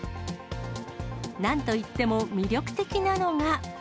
なんといっても、魅力的なのが。